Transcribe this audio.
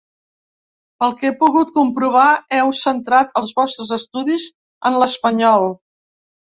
Pel que he pogut comprovar, heu centrat els vostres estudis en l’espanyol.